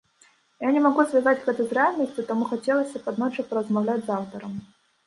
Я не магу звязаць гэта з рэальнасцю, таму хацелася б аднойчы паразмаўляць з аўтарам.